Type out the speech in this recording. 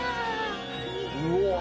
うわ！